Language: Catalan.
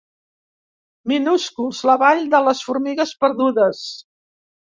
Minúsculs, la vall de les formigues perdudes.